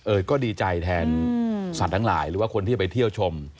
ก็ดีใจแทนสัตว์ทั้งหลายหรือว่าคนที่จะไปเที่ยวชม